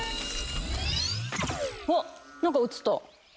わっ何か映った。